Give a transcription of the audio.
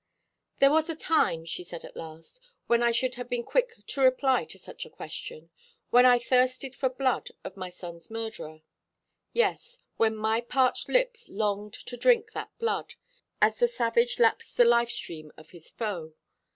"There was a time," she said at last, "when I should have been quick to reply to such a question when I thirsted for the blood of my son's murderer. Yes, when my parched lips longed to drink that blood, as the savage laps the life stream of his foe.